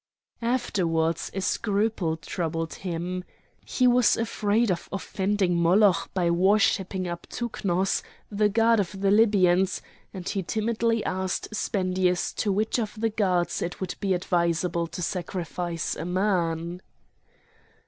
Afterwards a scruple troubled him. He was afraid of offending Moloch by worshipping Aptouknos, the god of the Libyans, and he timidly asked Spendius to which of the gods it would be advisable to sacrifice a man.